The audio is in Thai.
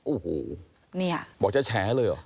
โอ้โหบอกจะแชร์เลยเหรอ